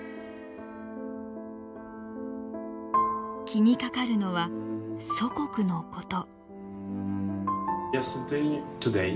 気にかかるのは祖国のこと。